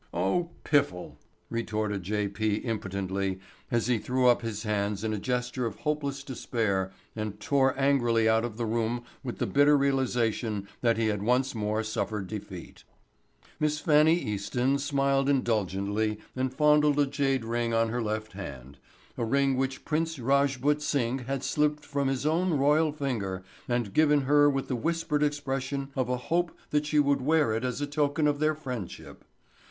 "Oh——piffle," retorted J. P. impotently as he threw up his hands in a gesture of hopeless despair and tore angrily out of the room with the bitter realization that he had once more suffered defeat. Miss Fannie Easton smiled indulgently and fondled a jade ring on her left hand, a ring which Prince Rajput Singh had slipped from his own royal finger and given her with the whispered expression of a hope that she would wear it as a token of their friendship.